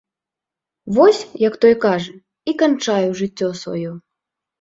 Вось, як той кажа, і канчаю жыццё сваё!